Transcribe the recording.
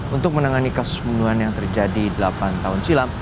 untuk menangani kasus pembunuhan yang terjadi delapan tahun silam